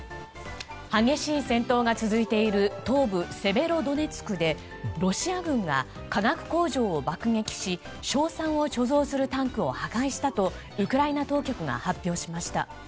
激しい戦闘が続いている東部セベロドネツクでロシア軍が化学工場を爆撃し硝酸を貯蔵するタンクを破壊したとウクライナ当局が発表しました。